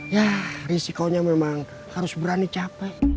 ya risikonya memang harus berani capek